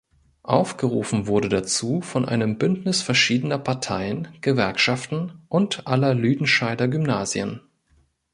Aufgerufen wurde dazu von einem Bündnis verschiedener Parteien, Gewerkschaften und aller Lüdenscheider Gymnasien.